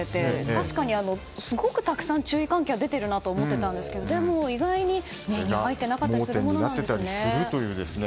確かにすごくたくさん注意喚起が出ているなと思っていたんですがでも意外に、目に入っていなかったりするものなんですね。